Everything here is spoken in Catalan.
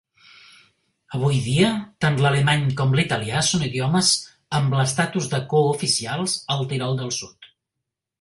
Avui dia, tant l'alemany com l'italià són idiomes amb l'estatus de cooficials al Tirol del Sud.